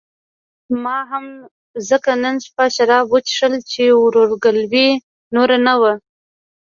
ما هم ځکه نن شپه شراب وڅښل چې ورورګلوي نوره نه وه.